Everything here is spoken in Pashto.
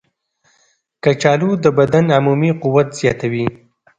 کچالو د بدن عمومي قوت زیاتوي.